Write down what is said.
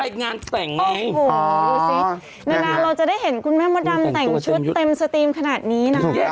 อ๋อโหดูสิในนานเราจะได้เห็นคุณแม่มดำแต่งชุดเต็มสตีมขนาดนี้นะครับ